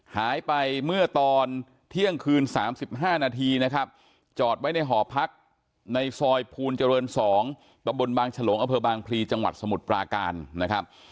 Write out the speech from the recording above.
หายไปเมื่อตอนเที่ยงคืน๓๕นาทีนะครับจอดไว้ในหอพักในซอยภูลเจริญ๒ตะบนบางฉลงอเภอบางพลีจังหวัดสมุทรปราการนะครับ